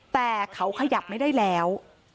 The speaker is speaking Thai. แต่เขาขยับไม่ได้แล้ว